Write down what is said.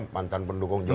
mantan pendukung jokowi